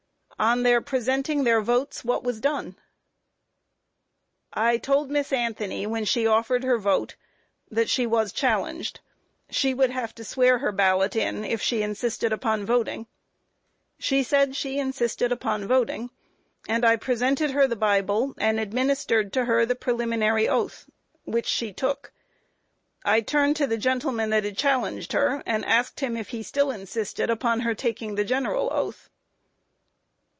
Q. On their presenting their votes, what was done? A. I told Miss Anthony, when she offered her vote, that she was challenged; she would have to swear her ballot in if she insisted upon voting; she said she insisted upon voting, and I presented her the Bible and administered to her the preliminary oath, which she took. I turned to the gentleman that challenged her, and asked him if he still insisted upon her taking the general oath.